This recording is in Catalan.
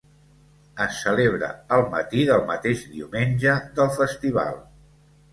Es celebra el matí del mateix diumenge del Festival.